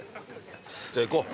じゃ行こう。